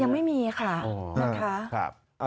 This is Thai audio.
ยังไม่มีค่ะ